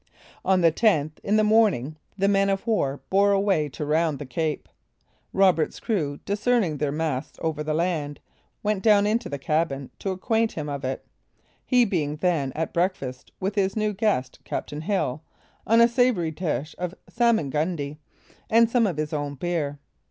On the 10th, in the morning, the man of war bore away to round the cape. Roberts' crew, discerning their masts over the land, went down into the cabin to acquaint him of it, he being then at breakfast with his new guest, captain Hill, on a savoury dish of salmagundy and some of his own beer.